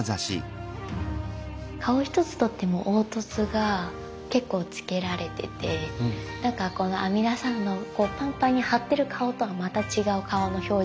顔ひとつ取っても凹凸が結構つけられててなんかこの阿弥陀さんのパンパンに張ってる顔とはまた違う顔の表情が見れますよね。